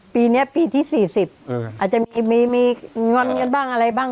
ปีเนี้ยปีที่สี่สิบเอออาจจะมีมีมีง้อนกันบ้างอะไรบ้าง